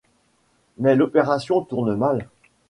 Mais l'opération tourne mal.